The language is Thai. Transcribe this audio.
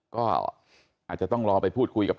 ก็อาจจะต้องรอไปพูดคุยกับ